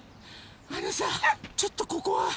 あのさちょっとここは。